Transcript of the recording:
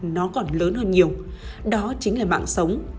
nó còn lớn hơn nhiều đó chính là mạng sống